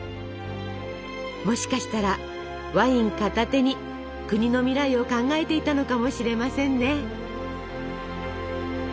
もしかしたらワイン片手に国の未来を考えていたのかもしれませんね。